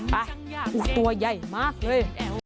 ตัวใหญ่มากเลย